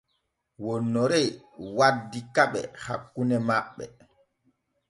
Wonnere waddi keɓe hakkune maɓɓe.